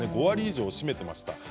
５割以上を占めていました。